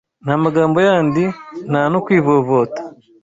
Nta magambo yandi, nta no kwivovota